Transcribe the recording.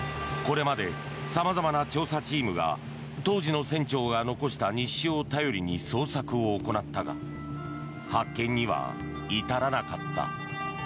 これまで様々な調査チームが当時の船長が残した日誌を頼りに捜索を行ったが発見には至らなかった。